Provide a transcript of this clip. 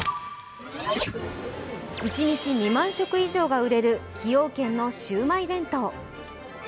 一日２万食以上が売れる崎陽軒のシウマイ弁当。